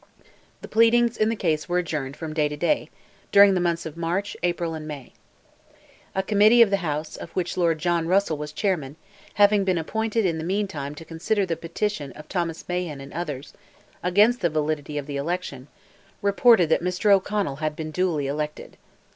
The pleadings in the case were adjourned from day to day, during the months of March, April, and May. A committee of the House, of which Lord John Russell was Chairman, having been appointed in the meantime to consider the petition of Thomas Mahon and others, against the validity of the election, reported that Mr. O'Connell had been duly elected.